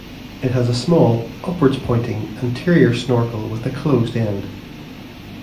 It has a small, upwards-pointing anterior snorkel with a closed end.